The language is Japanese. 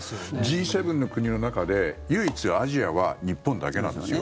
Ｇ７の国の中で唯一アジアは日本だけなんですよ。